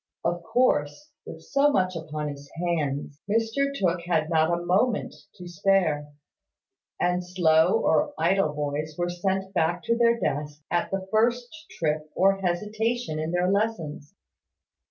Of course, with so much upon his hands, Mr Tooke had not a moment to spare; and slow or idle boys were sent back to their desks at the first trip or hesitation in their lessons.